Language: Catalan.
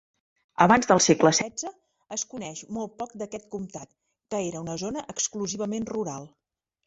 Abans del segle setze, es coneix molt poc d'aquest comtat, que era una zona exclusivament rural.